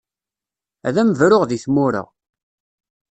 Ad am-bruɣ di tmura.